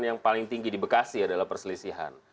yang paling tinggi di bekasi adalah perselisihan